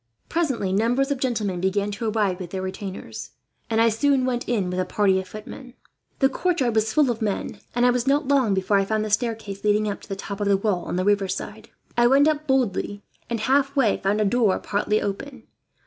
Presently, numbers of gentlemen began to arrive with their retainers, and I soon went in with a party of footmen. "The courtyard was full of men, and I was not long before I found the staircase leading up to the top of the wall, on the river side. I went boldly up and, halfway, found a door partly open.